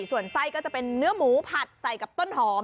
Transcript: ส่วนไส้ก็จะเป็นเนื้อหมูผัดใส่กับต้นหอม